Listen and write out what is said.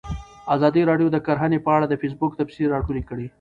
ازادي راډیو د کرهنه په اړه د فیسبوک تبصرې راټولې کړي.